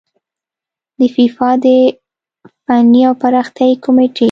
د فیفا د فني او پراختیايي کميټې